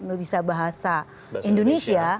tidak bisa bahasa indonesia